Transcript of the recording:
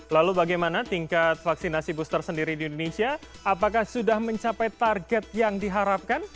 lalu bagaimana tingkat vaksinasi booster sendiri di indonesia apakah sudah mencapai target yang diharapkan